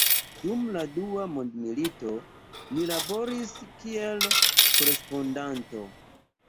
Dum Dua mondmilito li laboris kiel korespondanto.